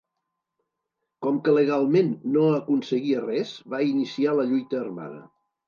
Com que legalment no aconseguia res, va iniciar la lluita armada.